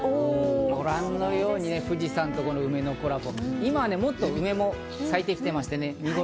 ご覧のように富士山とのコラボ。